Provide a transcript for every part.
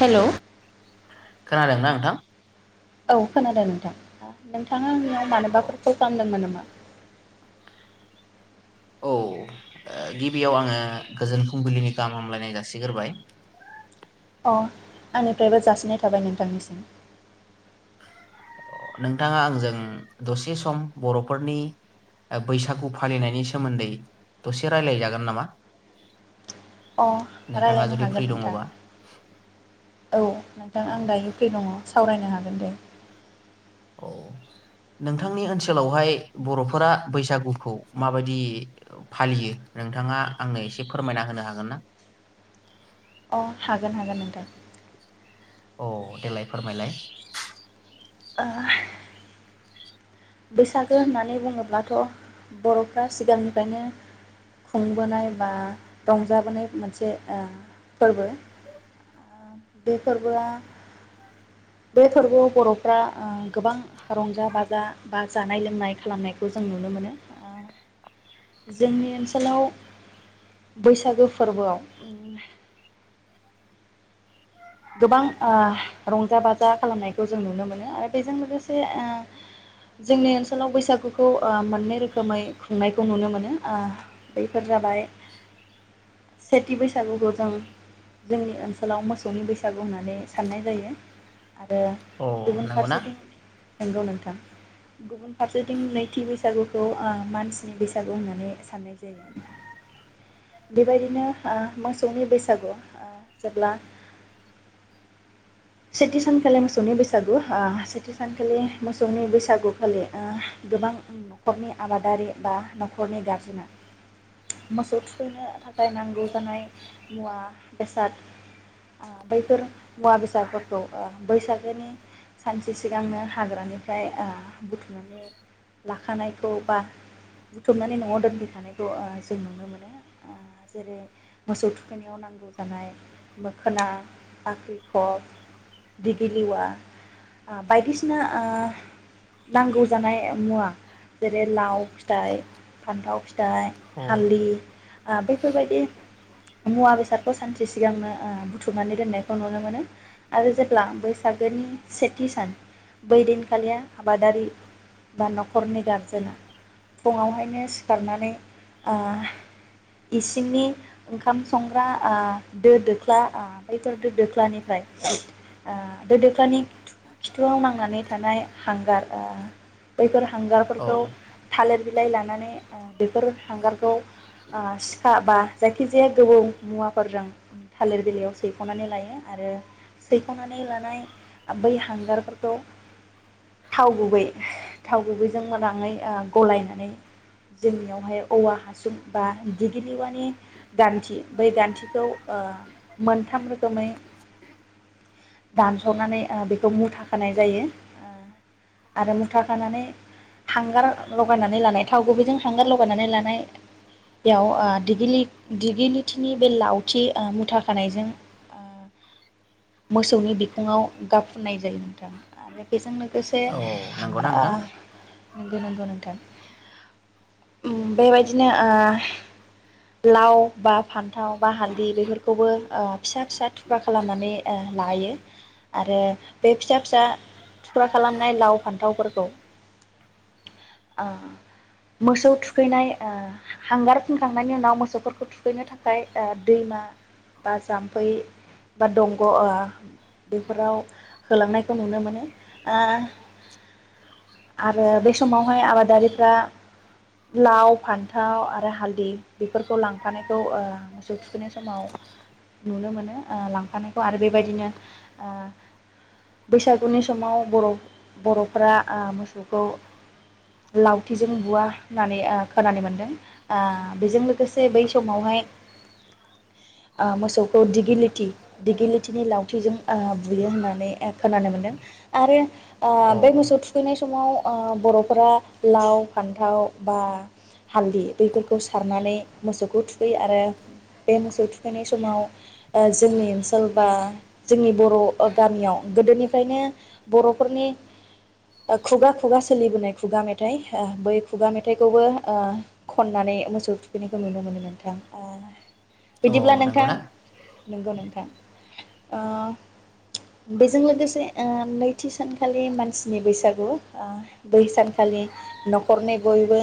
Hello खोनादोंना नोंथां? औ खोनादों नोंथां नोंथाङा आंजों मानोबाफोर कल खालामदोंमोन नामा? औ गिबियाव आङो गोजोन फुंबिलिनि गाहाम हामलायनाय जासिग्रोबाय। अ आंनिफ्रायबो जासिनाय थाबाय नोंथांनिसिम। नोंथाङा आंजों दसे सम बर'फोरनि बैसागु फालिनायनि सोमोन्दै दसे रायलायजागोन नामा? अ नोंथाङा रायलायनो जुदि फ्रि हागोन नोंथां दङबा औ नोंथां औ आं दा फ्रि दङ सावरायनो हागोन। दे औ नोंथांनि ओनसोलावहाय बर'फोरा बैसागुखौ माबायदि फालियो नोंथाङा आंनो एसे फोरमायना होनो हागोन ना? अ हागोन हागोन नोंथां। औ देलाय फोरमायलाय। ओ बैसागो होननानै बुङोब्लाथ बर'फ्रा सिगांनिफ्रायनो खुंबोनाय बा रंजाबोनाय मोनसे ओ फोरबो ओ बे फोरबोआ बे फोरबोआव बर'फ्रा ओ गोबां रंजा बाजा बा जानाय लोंनाय खालामनायखौ जों नुनो मोनो। ओ जोंनि ओनसोलाव बैसागो फोरबोआव उम गोबां ओ रंजा बाजा खालामनायखौ जों नुनो मोनो आरो बेजों ओ लोगोसे ओ जोंनि ओनसोलाव बैसागुखौ मोननै रोखोमै खुंनायखौ नुनो मोनो। ओ बैफोर जाबाय सेथि बैसागुखौ जों जोंनि ओनसोलाव मोसौ मोसौनि बैसागु होननानै साननाय जायो। आरो औ गुबुन नंगौना फारसेथिं नंगौ नोंथां गुबुन फारसेथिं नैथि बैसागुखौ ओ मानसिनि बैसागु होननानै साननाय जायो बेबायदिनो ओ मोसौनि बैसागु ओ जेब्ला सेथि सानखालि मोसौनि बैसागु ओ सेथि सानखालि मोसौनि बैसागुखालि ओ गोबां नखरनि आबादारि बा नखरनि गारजेना मोसौ थुखैनो थाखाय नांगौ जानाय मुवा बेसाद बैफोर मुवा बेसादफोरखौ ओ बैसागोनि सानसे सिगांनो हाग्रानिफ्राय ओ बुथुमनानै लाखानायखौ बा बुथुमनानै नयाव दोनफैखानायखौ ओ जों नुनो मोनो। ओ जेरै मोसौ थुखैनायाव नांगौ जानाय मो खोना बाख्रि खब दिगिलिवा ओ बायदिसिना ओ नांगौ जा जानाय मुवा जेरै लाव फिथाइ फान्थाव फिथाइ औ हालदि बैफोरबायदि मुवा बेसादखौ सानसे सिगांनो बुथुमनानै दोननायखौ नुनो मोनो आरो जेब्ला बैसागोनि सेथि सान बै दिनखालिया आबादारि बा नखरनि गारजेना फुङावहायनो सिखारनानै ओ इसिंनि ओंखाम संग्रा ओ दो दोख्ला ख्ला ओ बैफोर ओ दो दोख्लानिफ्राय दो दोख्लानि खिथुआव नांनानै थानाय हांगार ओ बैफोर औ हांगारफोरखौ थालेर बिलाइ लानानै ओ बेफोर हांगारखौ ओ सिखा बा जायखिजाया गोबौ मुवाफोरजों थालिर बिलाइयाव सैख'नानै लायो आरो सैख'नानै लानाय बै हांगारफोरखौ थाव गुबै थाव गुबैजों मोजाङै अ गलायनानै जोंनियावहाय औवा हासुं बा दिगिलिवानि गानथि बै गानथिखौ मोनथाम रोखोमै दानस'नानै अ बेखौ मुथा खानाय जायो अ आरो मुथा खानानै हांगार लगायनानै लानाय थाव गुबैजों हांगार लगायनानै लानाय याव अ दिगिलि दिगिलिथिनि बे लावथि मुथा खानायजों अ मोसौनि बिखङाव गाबफुननाय जायो नोंथां आरो बेजों लोगोंसे औ नंगौना ओ नोंथां नंगौ नंगौ नोंथां उम बेबायदिनो ओ लाव बा फानथाव बा हालदै बेफोर खौबो अ फिसा फिसा थुख्रा खालामनानै अ लायो आरो बे फिसा फिसा थुख्रा खालामनाय लाव फानथावफोरखौ अ मोसौ थुखैनाय अ हांगार फुनखांनायनि उनाव मोसौफोरखौ थुखैनो थाखाय अ दैमा बा जाम्फै बा दंग' अ बेफोराव होलांनायखौ नुनो मोनो अ आरो बे समावहाय आबादारिफ्रा लाव फानथाव आरो हालदै बेफोरखौ लांफानायखौ अ मोसौ थुखैनाय समाव नुनो मोनो अ लांफानायखौ आरो बेबायदिनो अ बैसागुनि समाव बर' बर'फोरा अ मोसौखौ लावथिजों बुवा होननानै अ खोनानो मोनदों अ बेजों लोगोसे बै समावहाय अ मोसौखौ दिगिलिथि दिगिलिथिनि लावथिजों अ बुयो होननानै अ खोनानो मोनदों आरो ओह औ बे मोसौ थुखैनाय समाव अ बर'फोरा लाव फानथाव बा हालदै बैफोरखौ सारनानै मोसौखौ थुखैयो आरो बे मोसौ थु खैनाय समाव अ जोंनि ओनसोल बा जोंनि बर' अ गामियाव गोदोनिफ्रायनो बर'फोरनि खुगा खुगा सोलिबोनाय खुगा मेथाइ अ बै खुगा मेथाइखौबो अ खननानै मोसौ थुखैनायखौ नुनो मोनो नोंथां आ औ बिदिब्ला नोंथां नंगौना नंगौ नोंथां अ बेजों लोगोसे अ नैथि सानखालि मानसिनि बैसागु अ बै सानखालि न'खरनि बयबो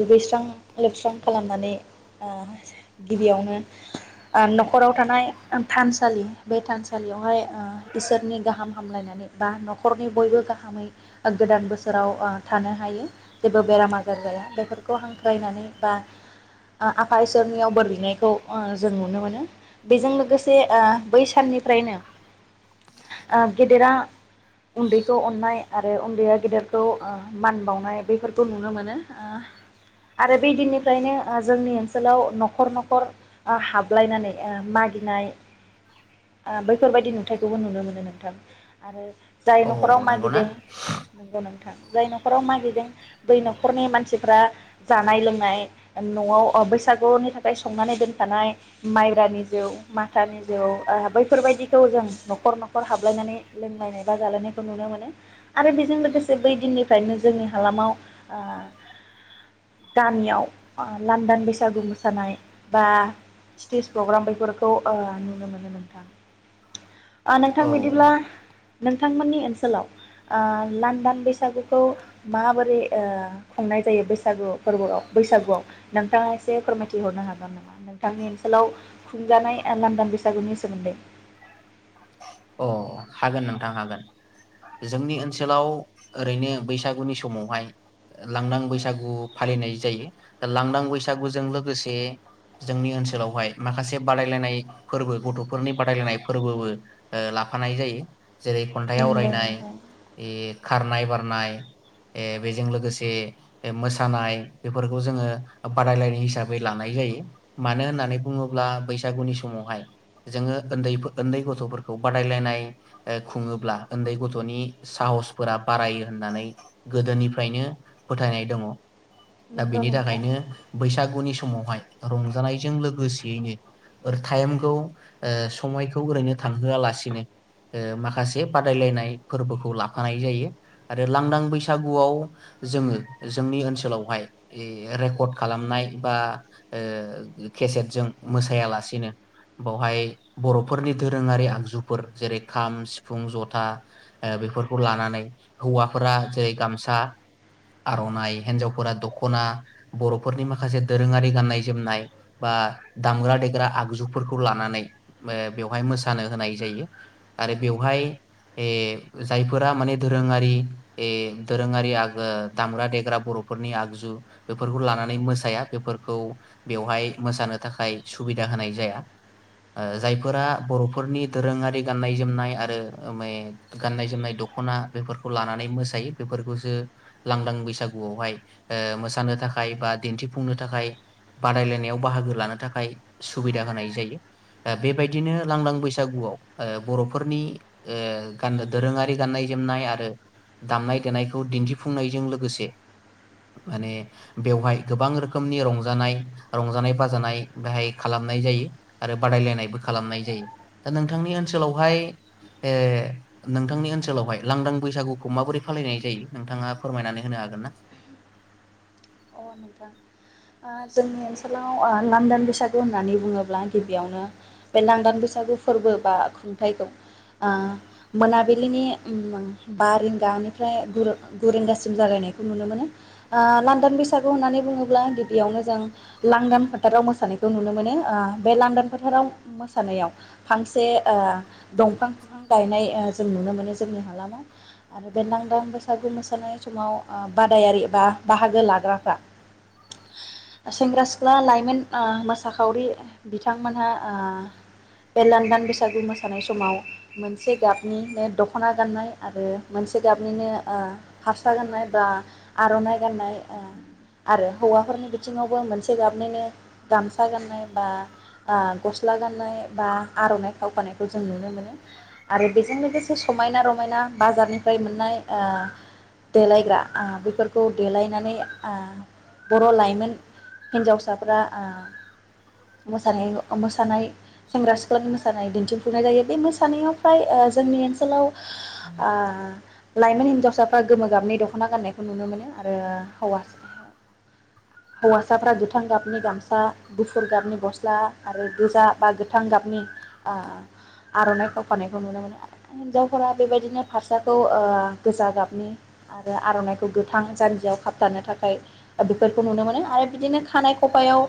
दुगैस्रां लोबस्रां खालामनानै अ गिबियावनो अ न'खराव थानाय थानसालि बे थानसालियावहाय अ इसोरनि गाहाम हामलायनानै बा न'खरनि बयबो गाहामै गोदान बोसोराव अ थानो हायो जेबो बेराम आजार जाया बेफोरखौ हांख्रायनानै बा आ आफा इसोरनियाव बोर बिनायखौ अ जों नुनो मोनो बेजों लोगोसे अ बै साननिफ्रायनो अ गेदेरा उन्दैखौ अननाय आरो उन्दैया गेदेरखौ अ मान बावनाय बैफोरखौ नुनो मोनो अ आरो बे दिननिफ्रायनो जोंनि ओनसोलाव न'खर न'खर हाबलायनानै अ मागिनाय अ बैफोरबायदि नुथखौबो नुनो मोनो नोंथां आरो जाय औ न'खराव नंगौना मागिदों नंगौ नों थां जाय न'खराव मागिदों बै न'खरनि मानसिफ्रा जानाय लोंनाय न'आव अ बैसागुनि थाखाय संनानै दोन थानाय माइब्रानि जौ माथानि जौ अ बैफोरबायदिखौ जों न'खर न'खर हाबलायनानै लोंलायनाय बा जालायनायखौ नुनो मोनो आरो बेजों लोगोसे बै दिननिफ्रायनो जोंनि हालामाव अ गामियाव लांदां बैसागु मोसानाय बा स्टेज प्रग्राम बेफोरखौ अ नुनो मोनो नोंथां अ नोंथां औ बिदिब्ला नोंथांमोननि ओनसोलाव अ लानदान बैसागुखौ माबोरै अ खुंनाय जायो बैसागु फोरबोआव बैसागुआव नोंथाङा एसे फोरमायथिहरनो हागोन नामा नोंथांनि ओनसोलाव खुंजानाय अ लांदां बैसागुनि सोमोनदै औ हागोन नोंथां हागोन जोंनि ओनसोलाव ओरैनो बैसागुनि समावहाय लांदां बैसागु फालिनाय जायो दा लांदां बैसागुजों लोगोसे जोंनि ओनसोलावहाय माखासे बादायलायनाय फोरबो गथ'फोरनि बादायलायनाय फोरबोबो ओ ला फानाय जायो जेरै खन्थाइ नंगौ आवरायनाय नोंथां ए खारनाय बारनाय ए बेजों लोगोसे मोसानाय बेफोरखौ जोङो बादायलायनाय हिसाबै लानाय जायो मानो होननानै बुङोब्ला बैसागुनि समावहाय जोङो उन्दै उन्दै गथ'फोरखौ बादायलायनाय अ खुङोब्ला उन्दै गथ'नि साहसफोरा बारायो होननानै गोदोनिफ्रायनो फोथायनाय दङ दा नंगौ बेनि नोंथां थाखायनो बैसागु नि समावहाय रंजानायजों लोगोसेयैनो ओरै थाइमखौ ओ समायखौ ओरैनो थांहोआ लासे सेनो अ माखासे बादायलायनाय फोरबोखौ लाफानाय जायो आरो लांदां बैसागुआव जोङो जोंनि ओनसोलावहाय रेकर्ड खालामनाय बा आ केसेटजों मोसायालासेनो बावहाय बर'फोरनि दोरोङारि आगजु फोर जेरै खाम सिफुं जथा अ बेफोरखौ लानानै हौवाफोरा जेरै गामसा आर'नाइ हिन्जावफोरा दख'ना बर'फोरनि माखासे दोरोङारि गाननाय जोमनाय बा दामग्रा देग्रा आगजुफोरखौ लानानै अ बेवहाय मोसानो होनाय जायो आरो बेवहाय ए जायफोरा माने दोरोङारि ए दोरोङारि गा दामग्रा देग्रा बर'फोरनि आगजु बेफोरखौ लानानै मोसाया बेफोरखौ बेवहाय मोसानो थाखाय सुबिदा होनाय जाया अ जायफोरा बर'फोरनि दोरोङारि गाननाय जोमनाय आरो माने गाननाय जोमनाय दख'ना बेफोरखौ लानानै मोसायो बेफोरखौसो लांदां बैसागुआवहाय अ मोसानो थाखाय बा दिन्थिफुंनो थाखाय बादायलायनायाव बाहागो लानो थाखाय सुबिदा होनाय जायो अ बेबायदिनो लांदां बैसा बैसागुआव अ बर'फोरनि अ गाननो दोरोङारि गाननाय जोमनाय आरो दामनाय देनायखौ दिन्थिफुंनायजों लोगोसे माने बेवहाय गोबां रोखोमनि रंजानाय रंजानाय बाजानाय बेहाय खालामनाय जायो आरो बादायलायनायबो खालामनाय जायो दा नोंथांनि ओनसोलावहाय अ नोंथांनि ओनसोलावहाय लांदां बैसागुखौ माबोरै फालिनाय जायो नोंथाङा फोरमायनानै होनो हागोन ना अ नोंथां अ जोंनि ओनसोलाव अ लांदान बैसागु होननानै बुङोब्ला गिबियावनो बे लांदान बैसागु फोरबो बा खुंथाइखौ अ मोनाबिलिनि उ बा रिंगानिफ्राय गु गुरिंगासिम जागायनायखौ नुनो मोनो आ लांदां बैसागु होननानै बुङोब्ला गिबियावनो जों लांदां फोथाराव मोसानायखौ नुनो मोनो अ बे लांदां फोथाराव मोसानायाव फांसे अ दंफां बिफां गायनाय अ जों नुनो मोनो जोंनि हालामाव आरो बे लांदां बैसागु मोसानाय समाव अ बादायारि बा बाहागो ला ग्राफ्रा सेंग्रा सिख्ला लाइमोन अ मोसाखावरि बिथांमोनहा अ बे लांदां बैसागु मोसानाय समाव मोनसे गाबनिनो दख'ना गाननाय आरो मोनसे गाबनिनो अ हारसा गाननाय बा आर'नाइ गाननाय अ आरो हौवाफोरनि बिथिङावबो मोनसे गाबनैनो गामसा गाननाय बा अ गस्ला गाननाय बा आर'नाइ खावखानायखौ जों नुनो मोनो आरो बेजों लोगोसे समायना रमायना बाजारनिफ्राय मोननाय अ देलायग्रा अ बेफोरखौ देलायनानै आ बर' लाइमोन हिन्जावसाफ्रा अ मोसानाय मोसानाय सेंग्रा सिख्लानि मोसानाय दिन्थिफुंनाय जायो बे मोसानायाव फ्राय जोंनि ओनसोलाव आ लाइमोन हिनजावसा बा गोमो गाबनि दख'ना गाननायखौ नुनो मोनो आरो हौवासा हौवासाफ्रा गोथां गाबनि गामसा गुफुर गाबनि गस्ला आरो गोजा बा गोथां गाबनि ओ आर'नाइ खावफानायखौ नुनो मोनो। हिन्नजावफोरा बेबायदिनो फास्राखौ ओ गोजा गाबनि आरो आर'नाइखौ गोथां जानजियाव खाबथा दानो थाखाय बेफोरखौ नुनो मोनो आरो बिदिनो खानाय खफायाव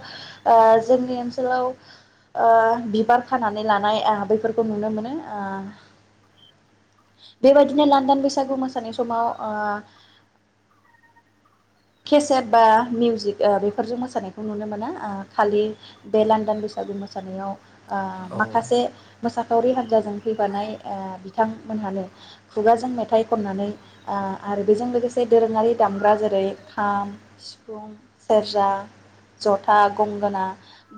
ओ जोंनि ओनसोलाव ओ बिबार खानानै लानाय ओ बेफोरखौ नुनो मोनो ओ बेबायदिनो लानदान बैसागु मोसानाय समाव ओ केसेट बा मिउजिक ओ बेफोरजों मोसानायखौ नुनो मोना। ओ खालि बे लानदान बैसागु मोसानायाव ओ औ माखासे मोसाखावरि हान्जाजों फैबानाय ओ बिथांमोनहानो खुगाजों मेथाइ खननानै ओ आरो बेजों लोगोसे दोरोङारि दामग्रा जेरै खाम सिफुं सेरजा जथा गंगोना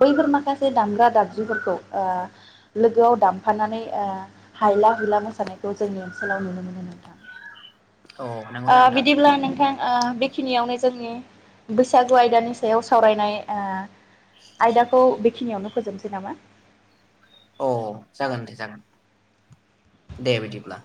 बैफोर माखासे दामग्रा दागजुफोरखौ लोगोआव दामफानानै ओ हायला हुला मोसानायखौ जोंनि ओनसोलाव नुनो मोनो नोंथां। औ ओ नंगौना नोंथां बिदिब्ला नोंथां ओ जोंनि बैसागु आयदानि सायाव सावरायनाय ओ आयदाखौ बेखिनियावनो फोजोबसै नामा? औ जागोन दे जागोन दे दे बिदिब्ला।